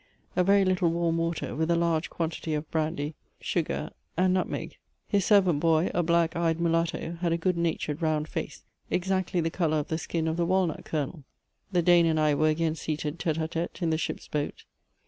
a very little warm water with a large quantity of brandy, sugar, and nutmeg His servant boy, a black eyed Mulatto, had a good natured round face, exactly the colour of the skin of the walnut kernel. The Dane and I were again seated, tete a tete, in the ship's boat.